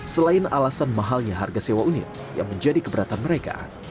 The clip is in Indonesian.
selain alasan mahalnya harga sewa unit yang menjadi keberatan mereka